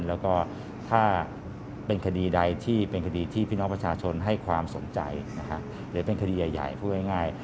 แล้วก็ถ้าเป็นคดีใดที่เป็นคดีที่พี่น้องประชาชนให้ความสนใจหรือเป็นคดีใหญ่พูดง่าย